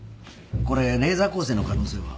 これレーザー光線の可能性は？